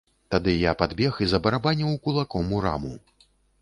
Тады я падбег і забарабаніў кулаком у раму.